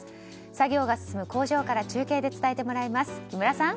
作業が進む工場から中継で伝えてもらいます木村さん。